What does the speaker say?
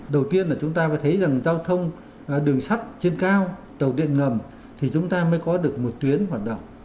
đầu tiên là chúng ta phải thấy rằng giao thông đường sắt trên cao tàu điện ngầm thì chúng ta mới có được một tuyến hoạt động